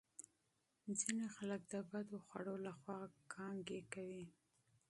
ځینې خلک د بدو خوړو له خوا کانګې کوي.